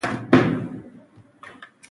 دا خبره د پینکني د څېړنو پر بنسټ کوو.